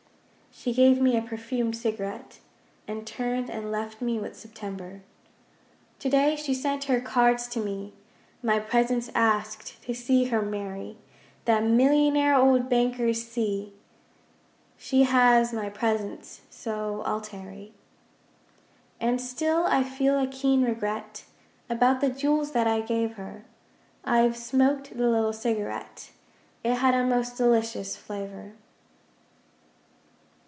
She gave me a perfumed cigarette, And turned and left me with September. To day she sent her 'cards' to me. 'My presence asked' to see her marry That millionaire old banker C She has my 'presents,' so I'll tarry. And still I feel a keen regret (About the jewels that I gave her) I've smoked the little cigarette It had a most delicious flavour.